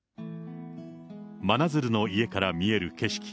真鶴の家から見える景色。